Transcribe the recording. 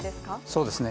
そうですね。